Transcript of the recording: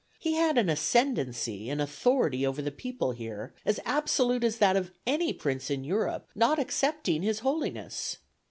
He had an ascendency and authority over the people here, as absolute as that of any prince in Europe, not excepting his Holiness.